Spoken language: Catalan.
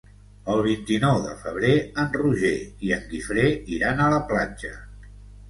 El vint-i-nou de febrer en Roger i en Guifré iran a la platja.